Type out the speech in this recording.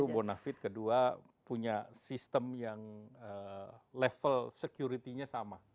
bonafit kedua punya sistem yang level security nya sama